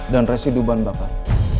dan residu bahan bakar